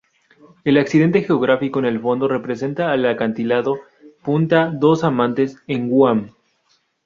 El accidente geográfico en el fondo representa el acantilado "Punta Dos Amantes" en Guam.